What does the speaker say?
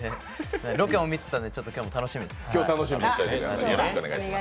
ロケも見てたんで、今日も楽しみにしてます。